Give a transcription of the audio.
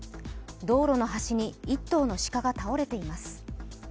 道路の端に１頭の鹿が倒れています